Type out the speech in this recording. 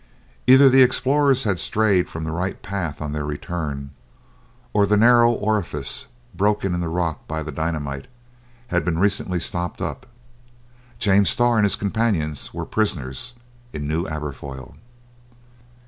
Either the explorers had strayed from the right path on their return, or the narrow orifice, broken in the rock by the dynamite, had been recently stopped up. James Starr and his companions were prisoners in New Aberfoyle.